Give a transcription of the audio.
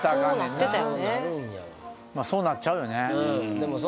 まあそうなっちゃうよね